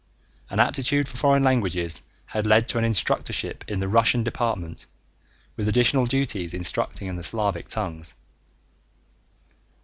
An aptitude for foreign languages had led to an instructorship in the Russian department with additional duties instructing in the Slavic tongues.